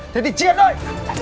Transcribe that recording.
thế thì chiến đi